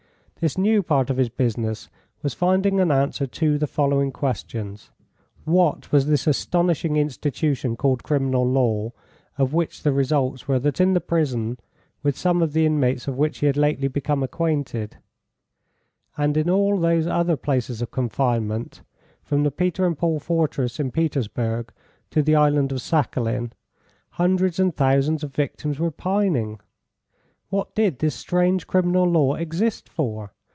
This new part of his business was finding an answer to the following questions: What was this astonishing institution called criminal law, of which the results were that in the prison, with some of the inmates of which he had lately become acquainted, and in all those other places of confinement, from the Peter and Paul Fortress in Petersburg to the island of Sakhalin, hundreds and thousands of victims were pining? What did this strange criminal law exist for?